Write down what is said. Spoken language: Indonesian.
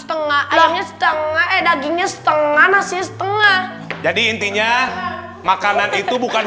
setengah hilangnya setengah eh dagingnya setengah nasi setengah jadi intinya makanan itu bukan